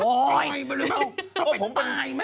โอ๊ยทำไมตายไหม